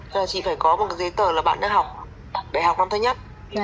tức là chị phải có một cái giấy tờ là bạn đã học đại học năm thứ nhất